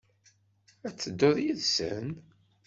Ad d-teddu yid-sen?